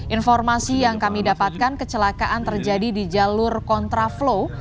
informasi yang kami dapatkan kecelakaan terjadi di jalur kontraflow